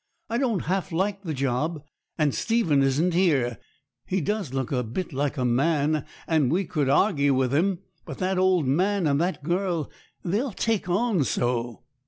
I don't half like the job; and Stephen isn't here. He does look a bit like a man, and we could argy with him; but that old man, and that girl they'll take on so.'